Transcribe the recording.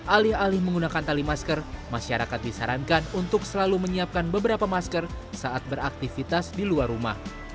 alih alih menggunakan tali masker masyarakat disarankan untuk selalu menyiapkan beberapa masker saat beraktivitas di luar rumah